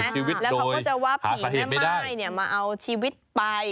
แล้วเขาก็จะว่าผีแม่ม่ายมาเอาชีวิตไป